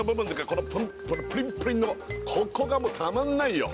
このプリンプリンのここがもうたまんないよ